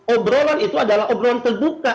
obrolan itu adalah obrolan terbuka